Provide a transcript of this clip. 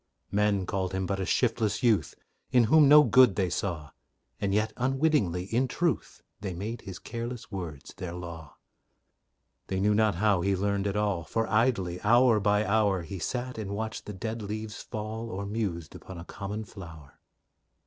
Men called him but a shiftless youth, In whom no good they saw; And yet, unwittingly, in truth, They made his careless words their law. They knew not how he learned at all, For idly, hour by hour, He sat and watched the dead leaves fall, Or mused upon a common flower.